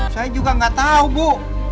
saya juga nggak tahu bu